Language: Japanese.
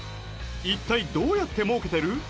一体どうやって儲けてる？